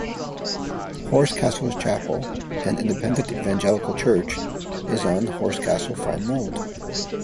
Horsecastle Chapel, an independent evangelical church, is on Horsecastle Farm Road.